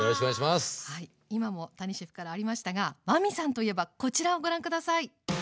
今も谷シェフからありましたが真海さんといえばこちらをご覧下さい。